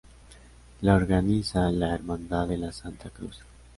La organiza la Hermandad de la Santa Cruz.